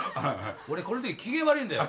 俺これのとき機嫌悪いんだよ。